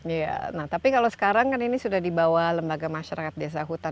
iya nah tapi kalau sekarang kan ini sudah dibawa lembaga masyarakat desa hutan